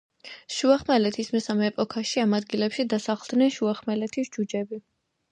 შუახმელეთის მესამე ეპოქაში ამ ადგილებში დასახლდნენ შუახმელეთის ჯუჯები.